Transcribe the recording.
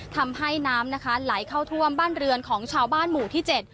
ทำให้น้ำนะคะไหลเข้าท่วมบ้านเรือนของชาวบ้านหมู่ที่เจ็ด